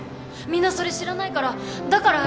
みんなそれ知らないからだから。